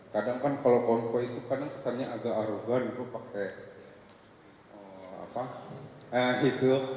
kadang kan kalau konvoy itu kadang kesannya agak arogan itu pakai hidup